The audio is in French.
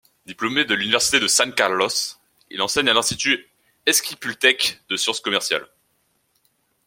Diplômé de l'Université de San Carlos, il enseigne à l'Institut esquipultèque de sciences commerciales.